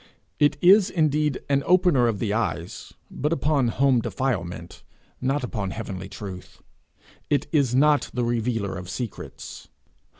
It is indeed an opener of the eyes, but upon home defilement, not upon heavenly truth; it is not the revealer of secrets.